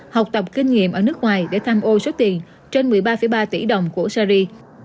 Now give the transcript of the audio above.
học tập kinh nghiệm ở nước ngoài để tham ô số tiền trên một mươi ba ba tỷ đồng của syri